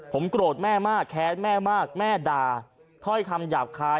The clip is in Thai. ผมโกรธแม่มากแค้นแม่มากแม่ด่าถ้อยคำหยาบคาย